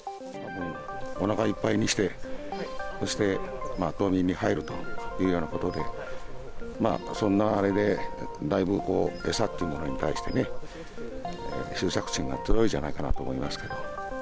おなかいっぱいにして、そして、冬眠に入るというようなことで、そんなあれで、だいぶこう、餌っていうものに対してね、執着心が強いんじゃないかなと思いますけど。